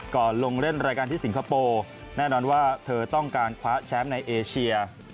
ลงเล่นรายการที่สิงคโปร์แน่นอนว่าเธอต้องการคว้าแชมป์ในเอเชีย